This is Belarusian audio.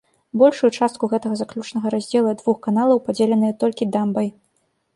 Большую частку гэтага заключнага раздзела двух каналаў падзеленыя толькі дамбай.